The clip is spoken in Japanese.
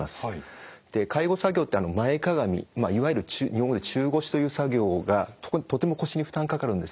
介護作業って前かがみいわゆる中腰という作業がとても腰に負担かかるんですね。